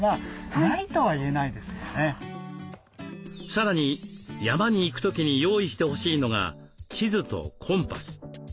さらに山に行く時に用意してほしいのが地図とコンパス。